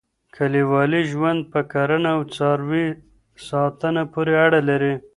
کلیوالي ژوند په کرنه او څاروي ساتنه پورې اړه لري.